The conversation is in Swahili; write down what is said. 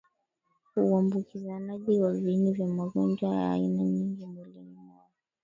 uambukizanaji wa viini vya magonjwa ya aina nyingi miongoni mwao